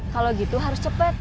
kalau gitu harus cepat